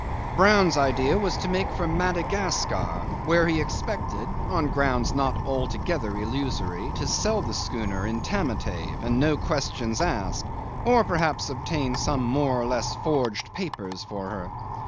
Brown's idea was to make for Madagascar, where he expected, on grounds not altogether illusory, to sell the schooner in Tamatave, and no questions asked, or perhaps obtain some more or less forged papers for her.